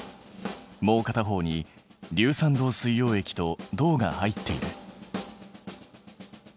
もう片方に硫酸銅水溶液と銅が入っている。